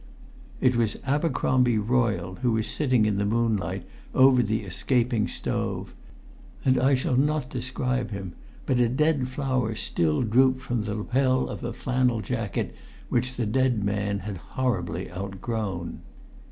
It was Abercromby Royle who was sitting in the moonlight over the escaping stove; and I shall not describe him; but a dead flower still drooped from the lapel of a flannel jacket which the dead man had horribly outgrown.